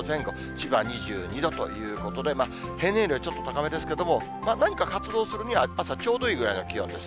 千葉２２度ということで、平年よりはちょっと高めですけれども、何か活動するには、あすはちょうどいいぐらいの気温です。